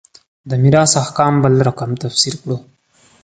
د میراث احکام بل رقم تفسیر کړو.